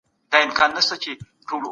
پلټنه د خلګو د علمي پوهاوي کچه لوړوي.